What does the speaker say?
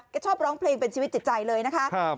ชอบร้องเพลงเป็นชีวิตจิตใจเลยนะคะ